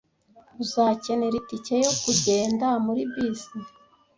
Uzakenera itike yo kugenda muri bisi.